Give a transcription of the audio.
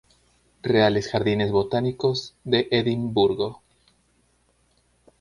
Reales Jardines Botánicos de Edimburgo.